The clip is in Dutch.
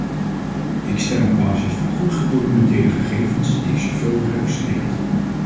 Ik stem op basis van goed gedocumenteerde gegevens die ik zorgvuldig heb bestudeerd.